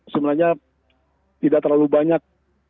sebenarnya tidak terlalu banyak